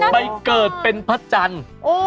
ไปเกิดเป็นพระจันทร์